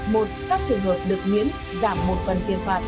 một các trường hợp được miễn giảm một phần tiền phạt